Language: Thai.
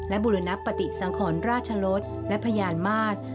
บุรณปฏิสังขรราชลศและพยานมาตร